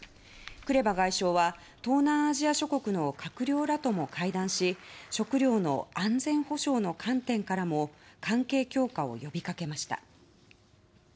クレバ外相は東南アジア諸国の閣僚らとも会談し食糧の安全保障の観点からも関係強化を呼びかけました。